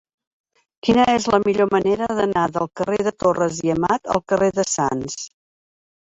Quina és la millor manera d'anar del carrer de Torres i Amat al carrer de Sants?